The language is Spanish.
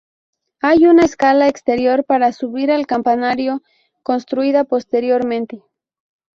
Hay una escala exterior para subir al campanario construida posteriormente.